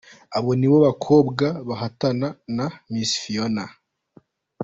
Abo nibo bakobwa bahatana na Misi Phiona .